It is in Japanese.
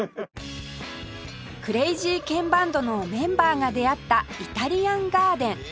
クレイジーケンバンドのメンバーが出会ったイタリアンガーデン